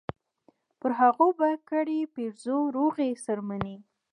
پر هغو به کړي پیرزو روغې څرمنې